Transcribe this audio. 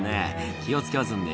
気を付けますんで」